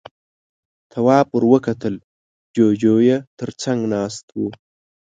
تواب ور وکتل، جُوجُو يې تر څنګ ناست و.